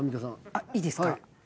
あっいいですか？